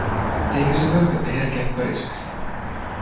Eikö se pömpötti herkeä pörisemästä?